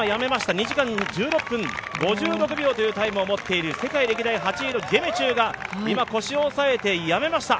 ２時間１６分５８秒というタイムを持っている世界歴代８位のゲメチュが今、腰を押さえてやめました！